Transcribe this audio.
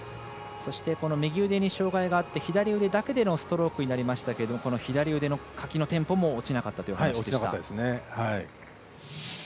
そして右腕に障がいがあって左腕だけでのストロークになりましたけど左腕のかきのテンポも落ちなかったと。